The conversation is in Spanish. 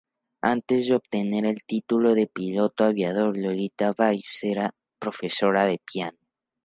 Antes de obtener el título de piloto aviador Lolita Vives era profesora de piano.